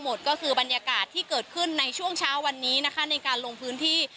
หมดก็คือบรรยากาศที่เกิดขึ้นในช่วงเช้าวันนี้นะคะในการลงพื้นที่